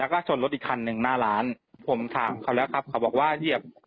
ก็คือถอยมาชนคน